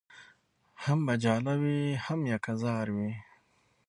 هم به جاله وي هم یکه زار وي